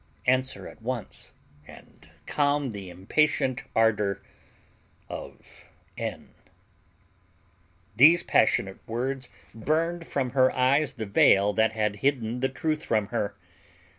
Answer at once, and calm the impatient ardor of N. These passionate words burned from her eyes the veil that had hidden the truth from her.